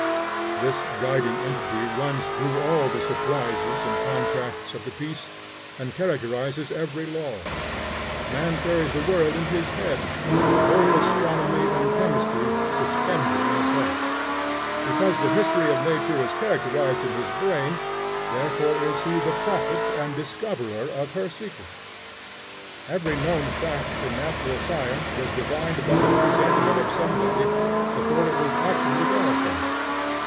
This guiding identity runs through all the surprises and contrasts of the piece, and characterizes every law. Man carries the world in his head, the whole astronomy and chemistry suspended in a thought. Because the history of nature is charactered in his brain, therefore is he the prophet and discoverer of her secrets. Every known fact in natural science was divined by the presentiment of somebody, before it was actually verified.